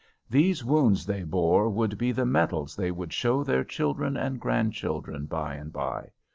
These wounds they bore would be the medals they would show their children and grandchildren by and by.